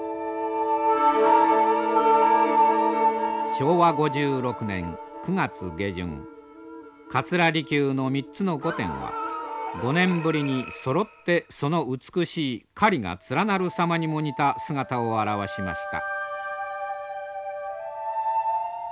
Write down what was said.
昭和５６年９月下旬桂離宮の３つの御殿は５年ぶりにそろってその美しい雁が連なる様にも似た姿をあらわしました。